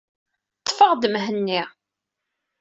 Ḍḍfeɣ-d Mhenni.